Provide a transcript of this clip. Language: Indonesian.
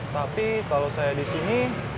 tapi kalau saya di sini